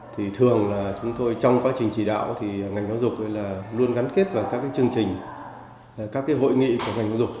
thì thường là chúng tôi trong quá trình chỉ đạo thì ngành giáo dục luôn gắn kết vào các chương trình các hội nghị của ngành giáo dục